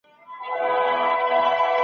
د خوږو شربتونو پر ځای اوبه وڅښئ.